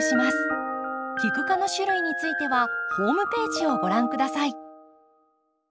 キク科の種類についてはホームページをご覧下さい。